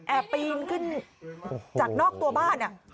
ปีนขึ้นจากนอกตัวบ้าน